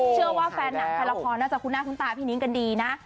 แฟนหนังแฟนละครน่าจะคุ้นหน้าคุ้นตาพี่นิ้งกันดีนะ